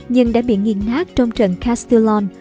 nhưng đã bị nghiền nát trong trận castellon